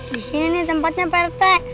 di sini nih tempatnya pak rete